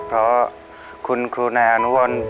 เพราะคุณครูนายอนุวัล